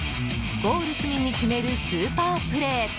ゴール隅に決めるスーパープレー。